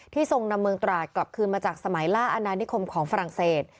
ทรงนำเมืองตราดกลับคืนมาจากสมัยล่าอาณานิคมของฝรั่งเศส